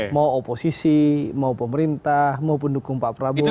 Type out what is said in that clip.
mau oposisi mau pemerintah mau pendukung pak prabowo